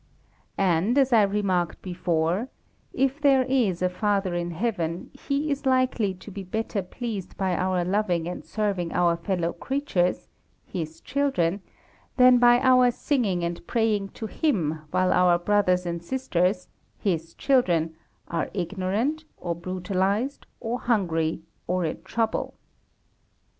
And, as I remarked before, if there is a Father in Heaven, He is likely to be better pleased by our loving and serving our fellow creatures (His children) than by our singing and praying to Him, while our brothers and sisters (His children) are ignorant, or brutalised, or hungry, or in trouble.